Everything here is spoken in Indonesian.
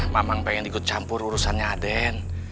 memang pengen ikut campur urusannya aden